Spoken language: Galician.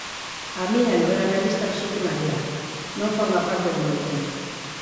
A min a novela realista resúltame allea, non forma parte do meu tempo.